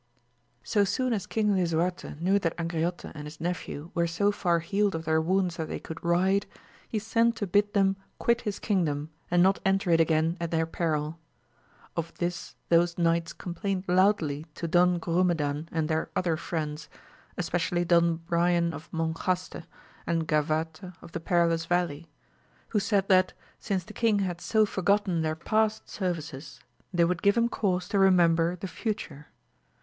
soon as King Lisuarte knew that Angriote and his nephew were so far healed of their wounds that they could ride, he sent to bid them quit his kingdom, and not enter it again at their peril. Of this those knights complained loudly to Don Grumedan and their other friends, especially Don Brian of Monjaste and Gavarte of the Perilous Valley, who said that since the king had so forgotten their past services, they would give him cause to re membei* the future.